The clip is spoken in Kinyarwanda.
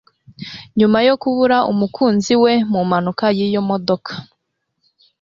nyuma yo kubura umukunzi we mu mpanuka y'imodoka.